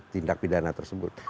tindak pidana tersebut